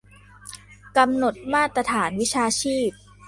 กำหนดมาตรฐานวิชาชีพ